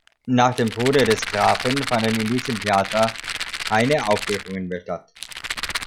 Nach dem Tode des Grafen fanden in diesem Theater keine Aufführungen mehr statt.